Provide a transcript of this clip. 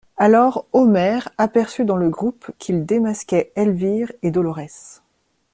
Alors Omer aperçut dans le groupe qu'ils démasquaient Elvire et Dolorès.